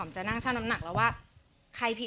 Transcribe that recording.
จะนั่งช่างน้ำหนักแล้วว่าใครผิด